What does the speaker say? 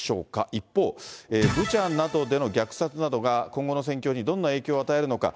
一方、ブチャなどでの虐殺などが今後の戦況にどんな影響を与えるのか。